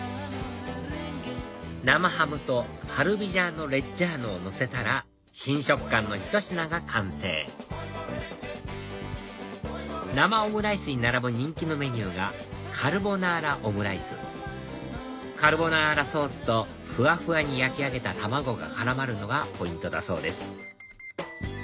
生ハムとパルミジャーノレッジャーノをのせたら新食感のひと品が完成生オムライスに並ぶ人気のメニューがカルボナーラオムライスカルボナーラソースとふわふわに焼き上げた卵が絡まるのがポイントだそうです